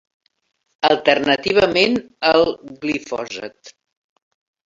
Alternativament el glifosat.